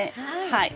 はい。